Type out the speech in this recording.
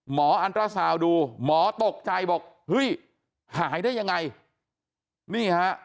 หมออัณตราเสาดูหมอตกใจบอกหายได้ยังไง